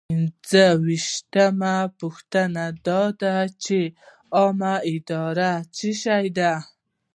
پنځویشتمه پوښتنه دا ده چې عامه اداره څه شی ده.